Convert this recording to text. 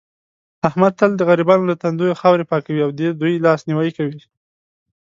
احمد تل د غریبانو له تندیو خاورې پاکوي او دې دوی لاس نیوی کوي.